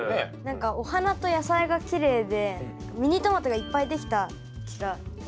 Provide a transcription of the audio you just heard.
何かお花と野菜がきれいでミニトマトがいっぱいできた気がします。